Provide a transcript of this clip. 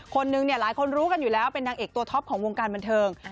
คนนึงเนี่ยหลายคนรู้กันอยู่แล้วเป็นนางเอกตัวท็อปของวงการบันเทิง